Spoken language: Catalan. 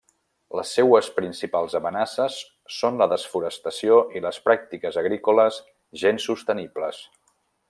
Les seues principals amenaces són la desforestació i les pràctiques agrícoles gens sostenibles.